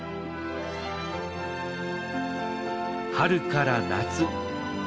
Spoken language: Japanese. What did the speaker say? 春から夏。